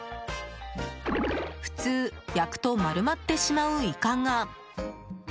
普通、焼くと丸まってしまうイカが。